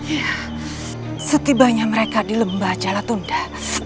ya setibanya mereka di lembah jalatunda